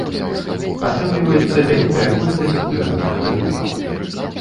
Атрымліваецца вялікая колькасць дрэнных крэдытаў.